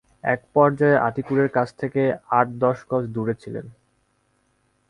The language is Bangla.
একপর্যায়ে আতিকুরের কাছ থেকে আট দশ গজ দূরে ছিলেন।